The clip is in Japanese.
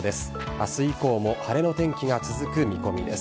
明日以降も晴れの天気が続く見込みです。